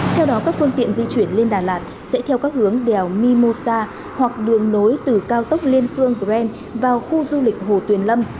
theo đó các phương tiện di chuyển lên đà lạt sẽ theo các hướng đèo mimosa hoặc đường nối từ cao tốc liên khương brand vào khu du lịch hồ tuyền lâm